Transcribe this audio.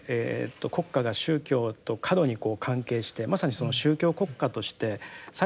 国家が宗教と過度にこう関係してまさにその宗教国家として最後戦争に入っていったと。